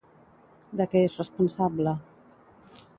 De què és responsable?